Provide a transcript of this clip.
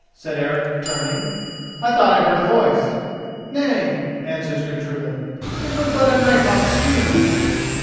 said Eric, turning; "I thought I heard a voice." "Nay," answers Gudruda, "it was but a night hawk screaming."